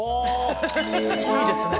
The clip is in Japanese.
いいですね